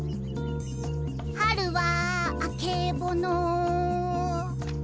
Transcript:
春はあけぼの。